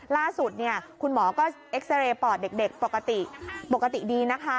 ล่าสุดเนี่ยคุณหมอก็เอ็กซาเรย์ปอดเด็กปกติดีนะคะ